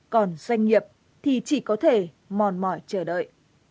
còn doanh nghiệp thì chỉ có thể mòn mỏi chờ đợi